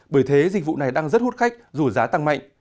bởi thế dịch vụ này đang rất hút khách dù giá tăng mạnh